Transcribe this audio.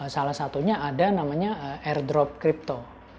salah satunya ada namanya airdrop kripto